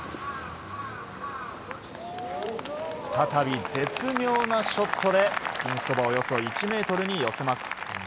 再び絶妙なショットでピンそば、およそ１ｍに寄せます。